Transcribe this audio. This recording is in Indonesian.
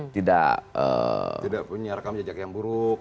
tidak punya rekam jejak yang buruk